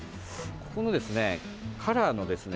ここのですね、カラーのですね